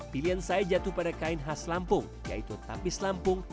pilihan saya jatuh pada kain khas lampung yaitu tapis lampung